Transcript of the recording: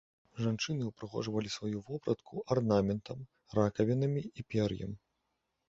Жанчыны ўпрыгожвалі сваю вопратку арнаментам, ракавінамі і пер'ем.